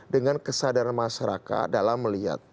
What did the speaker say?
dengan kesadaran masyarakat dalam melihat